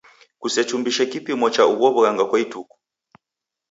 Kusechumbise kipimo cha ugho w'ughanga kwa ituku.